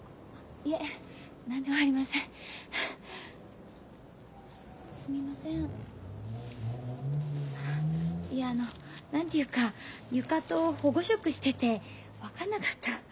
いやあの何て言うか床と保護色してて分かんなかった。